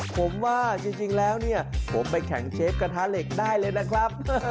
ผมว่าจริงแล้วเนี่ยผมไปแข่งเชฟกระทะเหล็กได้เลยนะครับ